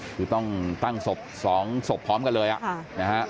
คือต้องตั้งศพ๒ศพพร้อมกันเลยนะฮะ